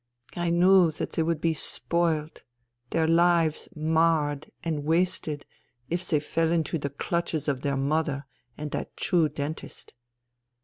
I knew that they would be spoilt, their lives marred and wasted, if they fell into the clutches of their mother and that Jew dentist.